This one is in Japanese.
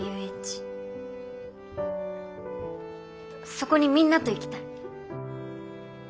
そこにみんなと行きたい。